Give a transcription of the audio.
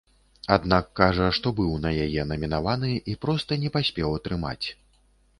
Аднак кажа, што быў на яе намінаваны і проста не паспеў атрымаць.